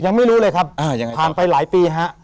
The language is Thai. ยังไม่รู้เลยครับผ่านไปหลายปีฮะ